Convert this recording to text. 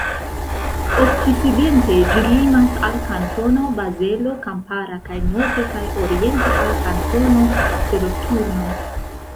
Okcidente ĝi limas al Kantono Bazelo Kampara kaj norde kaj oriente al Kantono Soloturno.